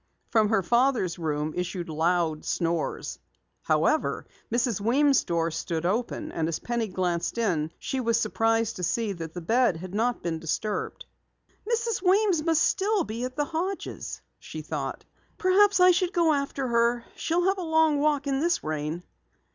From her father's room issued loud snores. However, Mrs. Weems' door stood open, and as Penny glanced in she was surprised to see that the bed had not been disturbed. "Mrs. Weems must still be at the Hodges'," she thought. "Perhaps I should go after her. She'll have a long walk in this rain."